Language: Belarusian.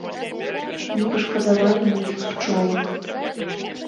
Не пашкадавалі маіх пчолак.